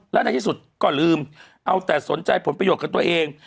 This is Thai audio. แล้วในที่สุดก็ลืมเอาแต่สนใจผลประโยชน์กับตัวเอง